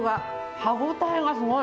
歯応えがすごい。